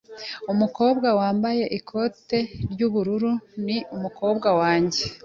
Umukobwa wambaye ikote ry'ubururu ni umukobwa wanjye .